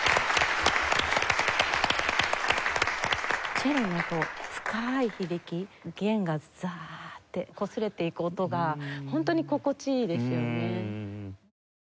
チェロのこう深い響き弦がザーッてこすれていく音がホントに心地いいですよね。